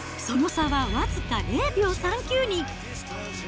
その差は僅か０秒３９に。